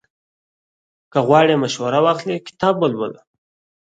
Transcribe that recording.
که غواړې مشوره واخلې، کتاب ولوله.